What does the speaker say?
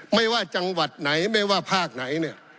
ไม่ว่าจังหวัดไหนไม่ว่าภาคไหนเนี่ย